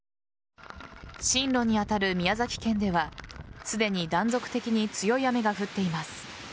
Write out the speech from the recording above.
進路に当たる宮崎県ではすでに断続的に強い雨が降っています。